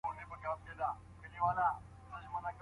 ایا د مخامخ ټولګیو فضا د آنلاین زده کړو په پرتله ارامه ده؟